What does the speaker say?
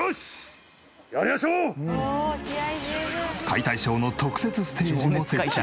解体ショーの特設ステージも設置。